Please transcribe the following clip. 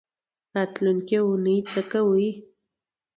راتلونکۍ اونۍ څه کوئ؟